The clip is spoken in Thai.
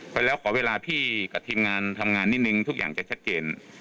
ไปแล้วขอเวลาพี่กับทีมงานทำงานนิดนึงทุกอย่างจะชัดเจน